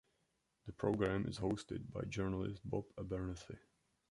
The program is hosted by journalist Bob Abernethy.